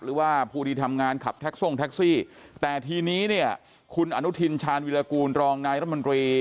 หรือว่าผู้ที่ทำงานขับแท็กทรงแท็กซี่แต่ทีนี้เนี่ยคุณอนุทินชาญวิรากูลรองนายรัฐมนตรี